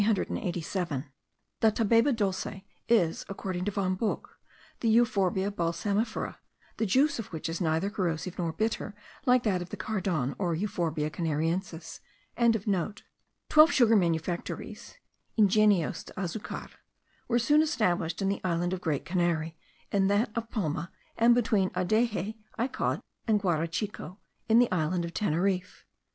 The Tabayba dulce is, according to Von Buch, the Euphorbia balsamifera, the juice of which is neither corrosive nor bitter like that of the cardon, or Euphorbia canariensis.) Twelve sugar manufactories (ingenios de azucar) were soon established in the island of Great Canary, in that of Palma, and between Adexe, Icod, and Guarachico, in the island of Teneriffe.